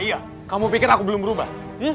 iya kamu pikir aku belum berubah